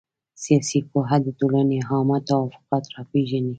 سياسي پوهه د ټولني عامه توافقات را پېژني.